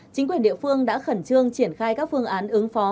chính quyền địa phương đã khẩn trương triển khai các phương án ứng phó